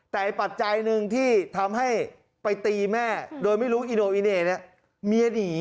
แต่ปัจจัยหนึ่งที่ทำให้ไปตีแม่โดยไม่รู้อิโนอิเน่